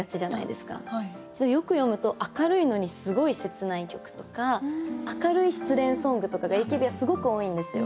よく読むと明るいのにすごい切ない曲とか明るい失恋ソングとかがＡＫＢはすごく多いんですよ。